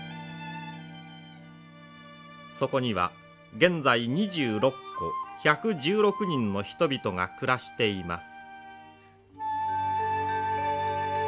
そこには現在２６戸１１６人の人々が暮らしています。